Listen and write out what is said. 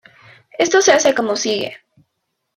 Esto se hace como sigue.